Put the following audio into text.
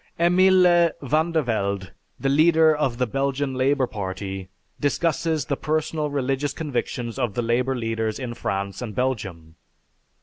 Emile Vandervelde, the leader of the Belgian Labor Party, discusses the personal religious convictions of the Labor leaders in France and Belgium.